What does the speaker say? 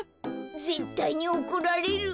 ぜったいにおこられる。